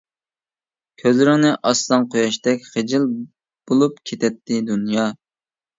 كۆزلىرىڭنى ئاچساڭ قۇياشتەك، خىجىل بولۇپ كېتەتتى دۇنيا.